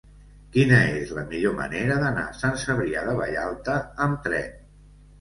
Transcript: Quina és la millor manera d'anar a Sant Cebrià de Vallalta amb tren?